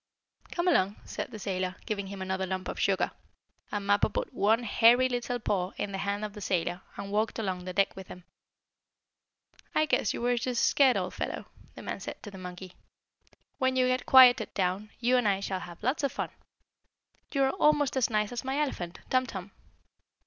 "Come along," said the sailor, giving him another lump of sugar, and Mappo put one hairy little paw in the hand of the sailor, and walked along the deck with him. "I guess you were just scared, old fellow," the man said to the monkey. "When you get quieted down, you and I shall have lots of fun. You are almost as nice as my elephant, Tum Tum."